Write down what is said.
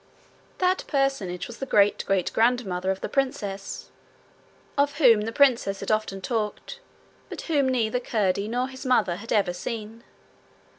That personage was the great great grandmother of the princess, of whom the princess had often talked, but whom neither Curdie nor his mother had ever seen.